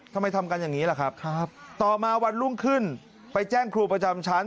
ทำกันอย่างนี้ล่ะครับต่อมาวันรุ่งขึ้นไปแจ้งครูประจำชั้น